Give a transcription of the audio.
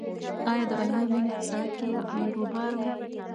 ایا د عینومېنې په سړک کې بیروبار و؟